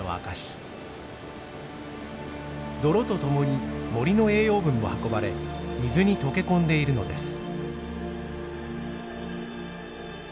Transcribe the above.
泥とともに森の栄養分も運ばれ水に溶け込んでいるのです。